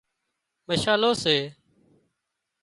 مشالو سي